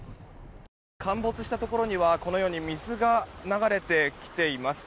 陥没したところにはこのように水が流れてきています。